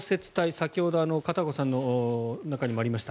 先ほど片岡さんの中にもありました